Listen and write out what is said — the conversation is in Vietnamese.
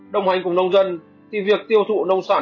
đồng hành cùng nông dân thì việc tiêu thụ nông sản